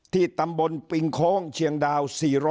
ตำบลปิงโค้งเชียงดาว๔๐